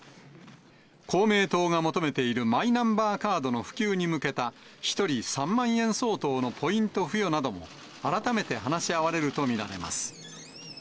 公明党が求めているマイナンバーカードの普及に向けた１人３万円相当のポイント付与なども、改めて話し合われると見られます。